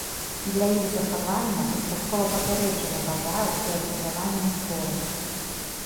Для іх захавання дастаткова папярэджання пажараў і абмежавання збору.